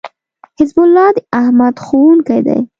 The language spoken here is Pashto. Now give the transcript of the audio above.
حزب الله داحمد ښوونکی دی